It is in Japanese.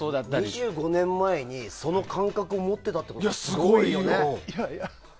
２５年前にその感覚を持っていたってことがすごい。